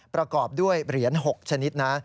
ประกอบด้วยเหรียญ๖ชนิดนะ